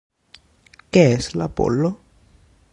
Què és l'apol·lo?